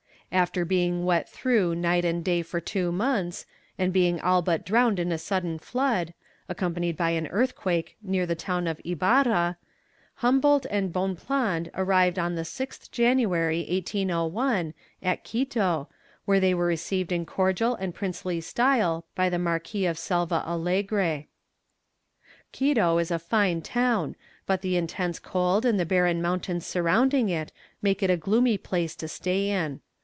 After being wet through night and day for two months, and being all but drowned in a sudden flood, accompanied by an earthquake near the town of Jbarra, Humboldt and Bonpland arrived on the 6th January, 1801, at Quito, where they were received in cordial and princely style by the Marquis of Selva Alegre. Quito is a fine town, but the intense cold and the barren mountains surrounding it make it a gloomy place to stay in.